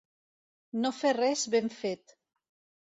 No fer res ben fet.